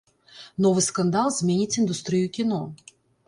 Новы скандал зменіць індустрыю кіно.